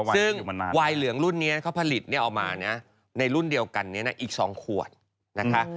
ซึ่งวายเหลืองรุ่นนี้เขาผลิตเอามาในรุ่นเดียวกันนี้นะอีก๒ขวดนะคะ